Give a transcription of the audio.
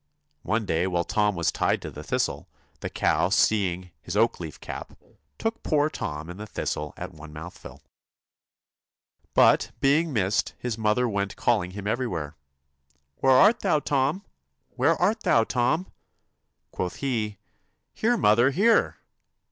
One day whilst Tom was tied to the thistle, the cow seeing his oakleaf cap, took poor Tom and the thistle at one mouthful. But, being missed, his mother went Calling him everywhere, 'Where art thou, Tom? Where art thou, Tom?' Quoth he, ' Here, mother, here